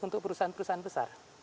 untuk perusahaan perusahaan besar